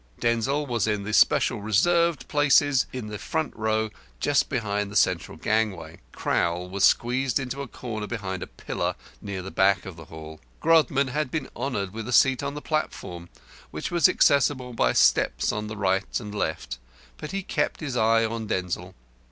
Denzil was in the special reserved places in the front row just by the central gangway; Crowl was squeezed into a corner behind a pillar near the back of the hall. Grodman had been honoured with a seat on the platform, which was accessible by steps on the right and left, but he kept his eye on Denzil.